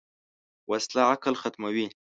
وسله عقل ختموي